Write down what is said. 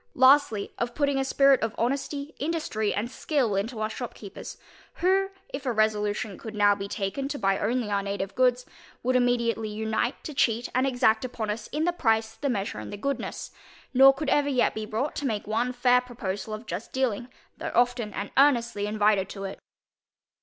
Lastly, of putting a spirit of honesty, industry, and skill into our shopkeepers, who, if a resolution could now be taken to buy only our native goods, would immediately unite to cheat and exact upon us in the price, the measure, and the goodness, nor could ever yet be brought to make one fair proposal of just dealing, though often and earnestly invited to it.